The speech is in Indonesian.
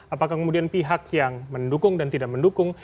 apakah kemudian pihak yang mendukung dan tidak mendukung